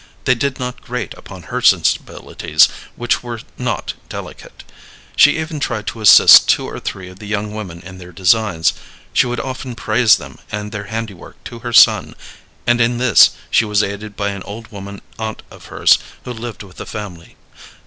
They did not grate upon her sensibilities, which were not delicate. She even tried to assist two or three of the young women in their designs; she would often praise them and their handiwork to her son and in this she was aided by an old woman aunt of hers who lived with the family.